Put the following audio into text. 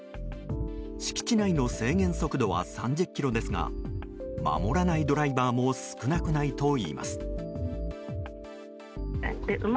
敷地内の制限速度は３０キロですが守らないドライバーも少なくないといいます。